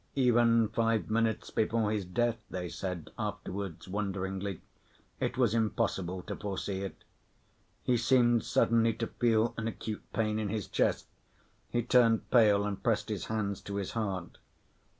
Even five minutes before his death, they said afterwards wonderingly, it was impossible to foresee it. He seemed suddenly to feel an acute pain in his chest, he turned pale and pressed his hands to his heart.